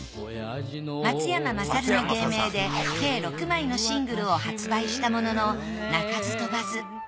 松山まさるの芸名で計６枚のシングルを発売したものの鳴かず飛ばず。